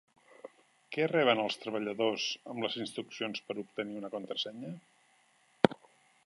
Què reben els treballadors amb les instruccions per obtenir una contrasenya?